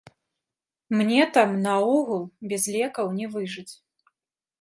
Мне там наогул без лекаў не выжыць.